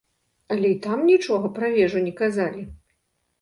Але і там нічога пра вежу не казалі.